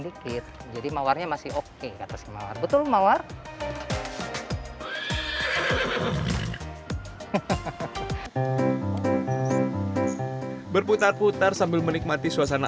dikit jadi mawarnya masih oke kata semua betul mawar berputar putar sambil menikmati suasana